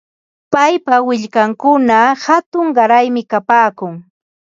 Paypa willkankunam hatun qaraymi kapaakun.